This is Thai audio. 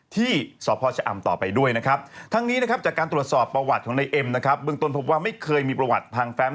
ที่สพชะอำต่อไปด้วยนะครับทั้งนี้นะครับจากการตรวจสอบประวัติของในเอ็มนะครับเบื้องต้นพบว่าไม่เคยมีประวัติทางแฟม